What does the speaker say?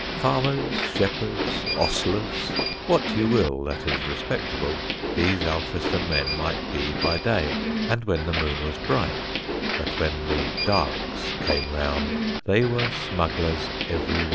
Farmers, shepherds, ostlers, what you will that is respectable, these Alfriston men might be by day and when the moon was bright; but when the "darks" came round they were smugglers every one.